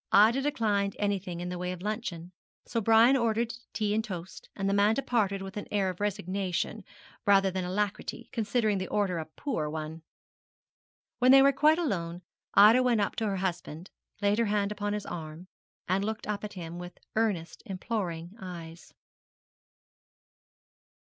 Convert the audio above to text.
Ida declined anything in the way of luncheon; so Brian ordered tea and toast, and the man departed with an air of resignation rather than alacrity, considering the order a poor one. When they were quite alone Ida went up to her husband, laid her hand upon his arm, and looked up at him with earnest, imploring eyes.